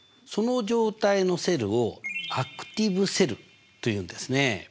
その状態のセルをアクティブセルというんですね。